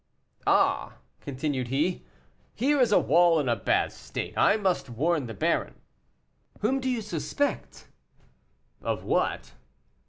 "Ah!" continued he, "here is a wall in a bad state; I must warn the baron." "Whom do you suspect?" "Of what?"